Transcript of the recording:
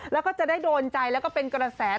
แล้วก็จะได้โดนใจแล้วก็เป็นกระแส